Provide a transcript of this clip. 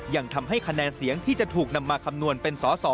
ยังทำให้คะแนนเสียงที่จะถูกนำมาคำนวณเป็นสอสอ